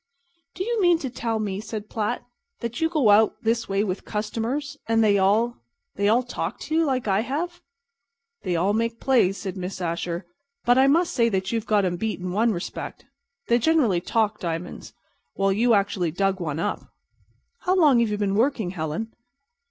"Do you mean to tell me," said Platt, "that you go out this way with customers, and they all—they all talk to you like I have?" "They all make plays," said Miss Asher. "But I must say that you've got 'em beat in one respect. They generally talk diamonds, while you've actually dug one up." "How long have you been working, Helen?"